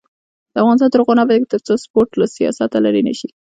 افغانستان تر هغو نه ابادیږي، ترڅو سپورټ له سیاسته لرې نشي.